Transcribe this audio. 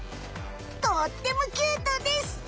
とってもキュートです！